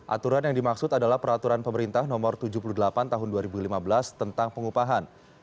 aturan yang dimaksud adalah peraturan pemerintah nomor tujuh puluh delapan tahun dua ribu lima belas tentang pengupahan